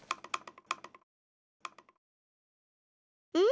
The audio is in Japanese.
うん？